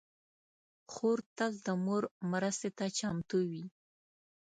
خور تل د مور مرستې ته چمتو وي.